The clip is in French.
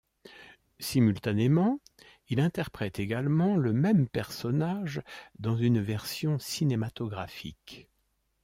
Simultanément, il interprète également, le même personnage dans une version cinématographique.